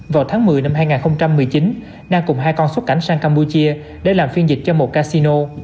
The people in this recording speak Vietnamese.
vào tháng một mươi năm hai nghìn một mươi chín nan cùng hai con xuất cảnh sang campuchia để làm phiên dịch cho một casino